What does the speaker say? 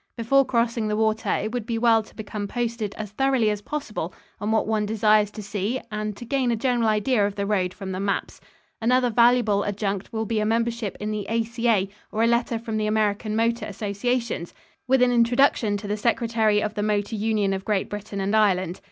Before crossing the water, it would be well to become posted as thoroughly as possible on what one desires to see and to gain a general idea of the road from the maps. Another valuable adjunct will be a membership in the A.C.A. or a letter from the American motor associations, with an introduction to the Secretary of the Motor Union of Great Britain and Ireland.